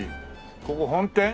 ここ本店？